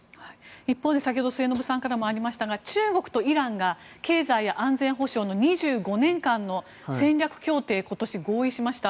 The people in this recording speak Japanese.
一方で先ほど末延さんからもありましたが中国とイランが経済や安全保障の２５年間の戦略協定を今年合意しました。